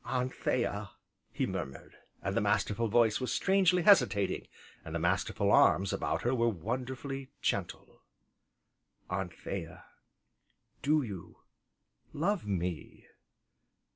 "Anthea!" he murmured, and the masterful voice was strangely hesitating, and the masterful arms about her were wonderfully gentle, "Anthea do you love me?"